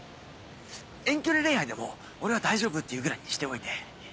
遠距離恋愛でも俺は大丈夫っていうぐらいにしておいて。